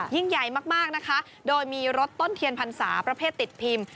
ยิ่งใหญ่มากนะคะโดยมีรถต้นเทียนพรรษาประเภทติดพิมพ์